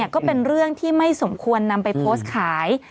ก็เป็นเรื่องที่ไม่สมควรนำไปโพสต์ขาย